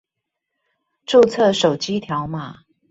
註冊手機條碼